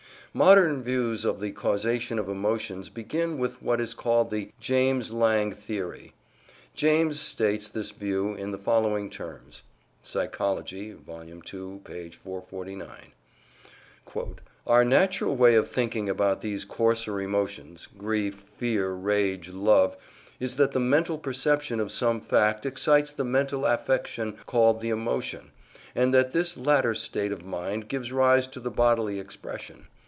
Modern views on the causation of emotions begin with what is called the James Lange theory. James states this view in the following terms ("Psychology," vol. ii, p. 449): "Our natural way of thinking about these coarser emotions, grief, fear, rage, love, is that the mental perception of some fact excites the mental affection called the emotion, and that this latter state of mind gives rise to the bodily expression.